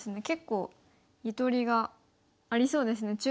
結構ゆとりがありそうですね。